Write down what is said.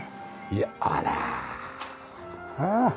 いやあら！